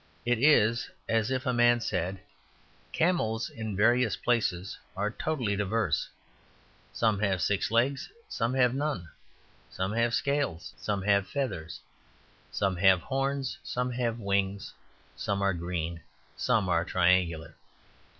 It is as if a man said, "Camels in various places are totally diverse; some have six legs, some have none, some have scales, some have feathers, some have horns, some have wings, some are green, some are triangular.